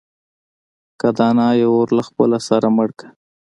که دانا يې اور له خپله سره مړ کړه.